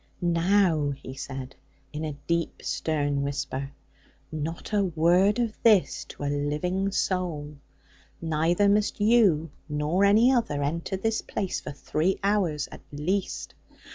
'Now,' he said, in a deep stern whisper; 'not a word of this to a living soul; neither must you, nor any other enter this place for three hours at least.